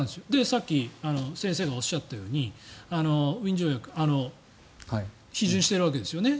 さっき先生がおっしゃったようにウィーン条約に批准しているわけですよね。